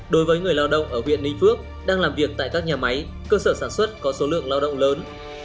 đối với người lao động ở huyện ninh phước đang làm việc tại các nhà máy cơ sở sản xuất có số lượng lao động lớn